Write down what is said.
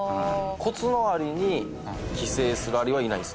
コツノアリに寄生するアリはいないんですね？